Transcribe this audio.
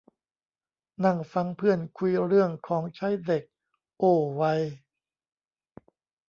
นั่งฟังเพื่อนคุยเรื่องของใช้เด็ก โอ้ วัย